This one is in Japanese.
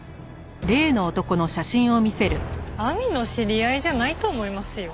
亜美の知り合いじゃないと思いますよ。